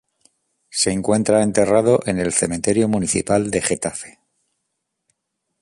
Se encuentra enterrado en el cementerio municipal de Getafe.